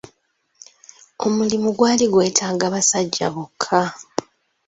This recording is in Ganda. Omulimu gwali gwetaaga basajja bokka.